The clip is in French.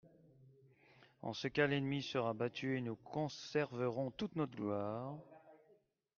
»En ce cas, l'ennemi sera battu, et nous conserverons toute notre gloire.